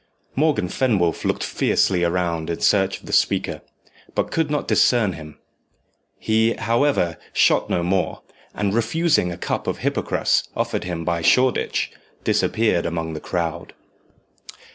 Morgan Fenwolf looked fiercely round in search of the speaker, but could not discern him. He, however, shot no more, and refusing a cup of hypocras offered him by Shoreditch, disappeared among the crowd.